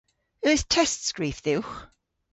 Eus testskrif dhywgh?